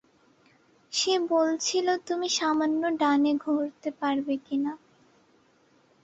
সে বলছিল তুমি সামান্য ডানে ঘুরতে পারবে কিনা।